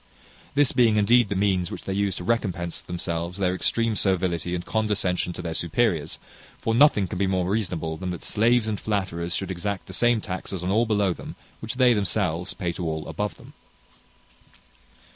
This being indeed the means which they use to recompense to themselves their extreme servility and condescension to their superiors; for nothing can be more reasonable, than that slaves and flatterers should exact the same taxes on all below them, which they themselves pay to all above them.